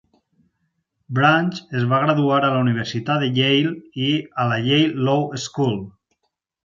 Branch es va graduar a la Universitat de Yale i a la Yale Law School.